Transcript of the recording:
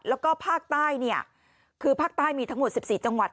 แล้วก็ภาคใต้เนี่ยคือภาคใต้มีทั้งหมด๑๔จังหวัด